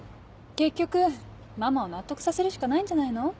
結局ママを納得させるしかないんじゃないの？